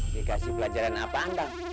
dikasih pelajaran apa bang